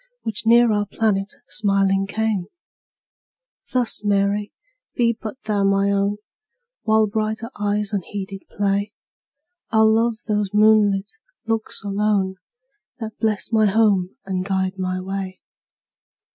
Which near our planet smiling came; Thus, Mary, be but thou my own; While brighter eyes unheeded play, I'll love those moonlight looks alone, That bless my home and guide my way.